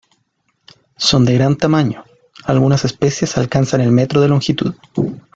Son de gran tamaño; algunas especies alcanzan el metro de longitud.